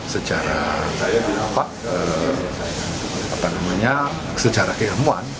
secara apa namanya secara keilmuan